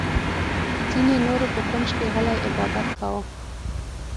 ځینې نورو په کونج کې غلی عبادت کاوه.